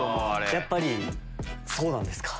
やっぱりそうなんですか。